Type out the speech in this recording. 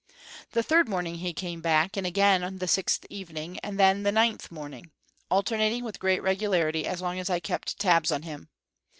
The third morning he came back; and again the sixth evening; and then the ninth morning, alternating with great regularity as long as I kept tabs on him.